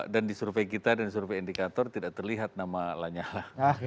dan di survei kita dan survei indikator tidak terlihat nama lanyala